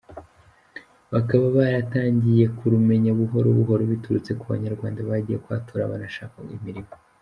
Bakaba baratangiye kurumenya buhoro buhoro biturutse ku Banyarwanda bagiye kuhatura banahashaka imirimo.